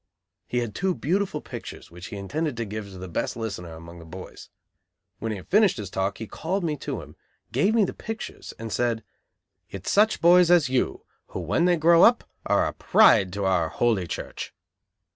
He had two beautiful pictures which he intended to give to the best listener among the boys. When he had finished his talk he called me to him, gave me the pictures and said: "It's such boys as you who, when they grow up, are a pride to our Holy Church."